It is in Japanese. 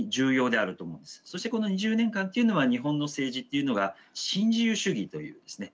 そしてこの２０年間というのは日本の政治っていうのが新自由主義というですね